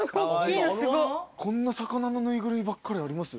こんな魚の縫いぐるみばっかりあります？